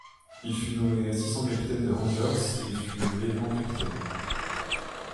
Il fut nommé assistant-capitaine des Rangers et fut brièvement capitaine.